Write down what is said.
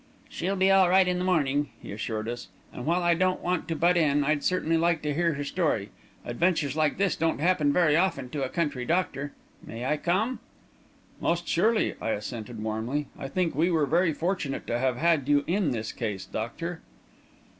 "She'll be all right in the morning," he assured us; "and while I don't want to butt in, I'd certainly like to hear her story. Adventures like this don't happen very often to a country doctor! May I come?" "Most surely!" I assented warmly. "I think we were very fortunate to have had you in this case, doctor."